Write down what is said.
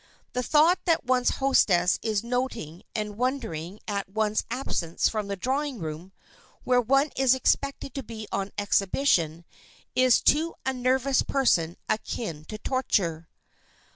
The thought that one's hostess is noting and wondering at one's absence from the drawing room, where one is expected to be on exhibition, is to a nervous person akin to torture.